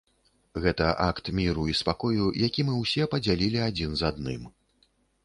Гэта акт міру і спакою, які мы ўсе падзялілі адзін з адным.